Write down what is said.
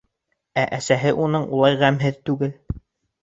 Ә әсәһе уның улай ғәмһеҙ түгел.